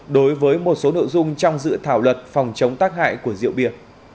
đối với một số nội dung trong dự thảo luật phòng chống tác hại của rượu bia